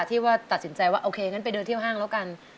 ที่ว่าตัดสินใจว่าโอเคงั้นไปเดินเที่ยวห้างแล้วกัน